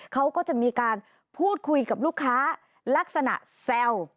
เขาก็จะมีการพูดคุยกับลูกค้าลักษณะแซว